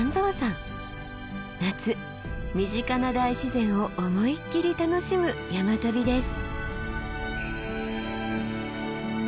夏身近な大自然を思いっきり楽しむ山旅です。